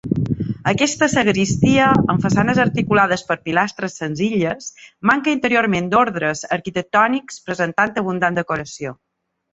Aquesta sagristia, amb façanes articulades per pilastres senzilles, manca interiorment d'ordres arquitectònics, presentant abundant decoració.